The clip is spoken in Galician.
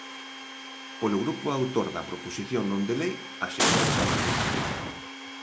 Polo grupo autor da proposición non de lei, a señora Samar.